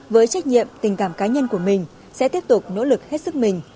với trách nhiệm tình cảm cá nhân của mình sẽ tiếp tục nỗ lực hết sức mình